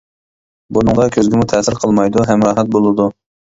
بۇنىڭدا كۆزگىمۇ تەسىر قىلمايدۇ ھەم راھەت بولىدۇ.